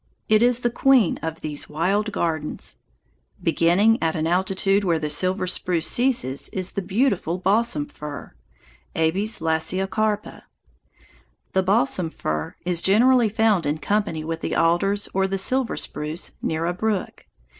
It is the queen of these wild gardens. Beginning at the altitude where the silver spruce ceases is the beautiful balsam fir (Abies lasiocarpa). The balsam fir is generally found in company with the alders or the silver spruce near a brook.